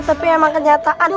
tapi emang kenyataan